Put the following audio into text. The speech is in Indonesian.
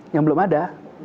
yang belum ada